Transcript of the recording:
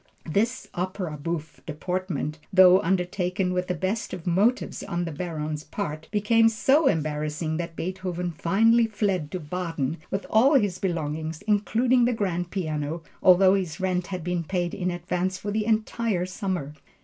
This opera bouffe deportment though undertaken with the best of motives on the Baron's part, became so embarrassing that Beethoven finally fled to Baden with all his belongings, including the grand piano, although his rent had been paid in advance for the entire summer.